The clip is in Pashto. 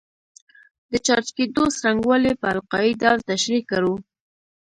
د چارج کېدو څرنګوالی په القايي ډول تشریح کړو.